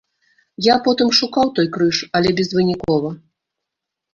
Я потым шукаў той крыж, але безвынікова.